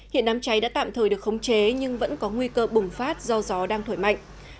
hiện đám cháy đã tạm thời được khống chế nhưng vẫn có nguy cơ bùng phát do gió đang thổi mạnh